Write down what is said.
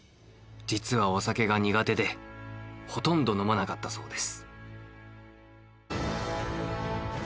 実はお酒が苦手でほとんど飲まなかったそうです。